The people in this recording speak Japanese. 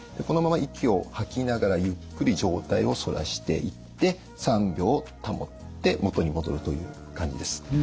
このまま息を吐きながらゆっくり上体を反らしていって３秒保って元に戻るという感じです。